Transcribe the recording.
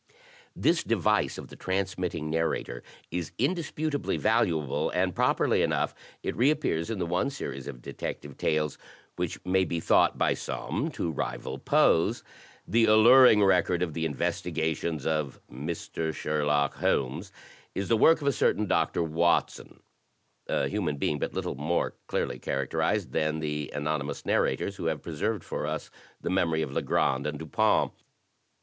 "This device of the transmitting narrator is indisputably valuable; and, properly enough, it reappears in the one series of detective tales which may be thought by some to rival Poe's. The alluring record of the investigations of Mr. Sherlock Holmes is the work of a certain Dr. Watson, a human being but little more clearly characterized than the anonymous narrators who have preserved for us the memory of Legrand and Dupin.